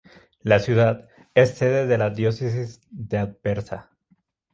La ciudad es sede de la Diócesis de Aversa.